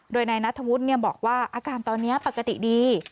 โดยนายนัทธวุฒิบอกว่าอาการตอนนี้ปกติดี